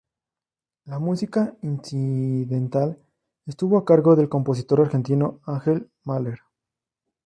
La música incidental estuvo a cargo del Compositor Argentino Ángel Mahler.